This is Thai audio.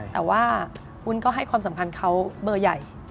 แต่ว่าวุ้นก็ให้ความสำคัญเขาเบอร์ใหญ่